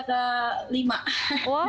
kalau saya puasa ke